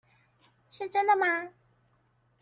是真的嗎？